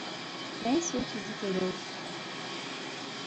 Naye switch zitera okufa?